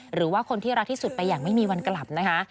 หรือว่าคนที่รักที่สุดไปอย่างไม่มีวันกลับนะคะ